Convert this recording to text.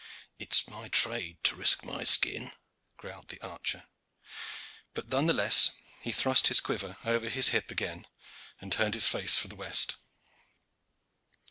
"It is my trade to risk my skin," growled the archer; but none the less he thrust his quiver over his hip again and turned his face for the west.